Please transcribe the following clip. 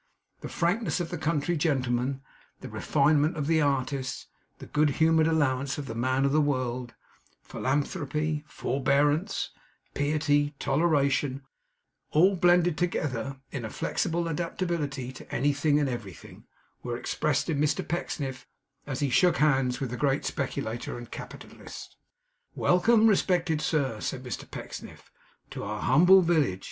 The frankness of the country gentleman, the refinement of the artist, the good humoured allowance of the man of the world; philanthropy, forbearance, piety, toleration, all blended together in a flexible adaptability to anything and everything; were expressed in Mr Pecksniff, as he shook hands with the great speculator and capitalist. 'Welcome, respected sir,' said Mr Pecksniff, 'to our humble village!